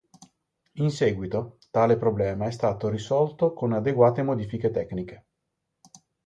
In seguito, tale problema è stato risolto con adeguate modifiche tecniche.